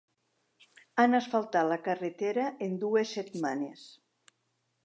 Han asfaltat la carretera en dues setmanes.